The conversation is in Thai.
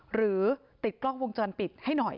หรือติดกล้องวงจรปิดให้หน่อย